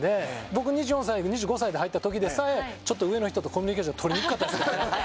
僕、２４歳とか２５歳で入ったときでさえ、ちょっと上の人とコミュニケーションをとりにくかったですから。